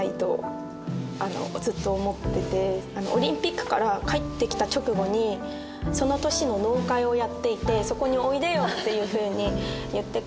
オリンピックから帰ってきた直後にその年の納会をやっていてそこにおいでよっていう風に言ってくださって。